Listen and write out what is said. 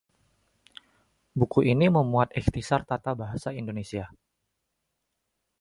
buku ini memuat ikhtisar tata bahasa Indonesia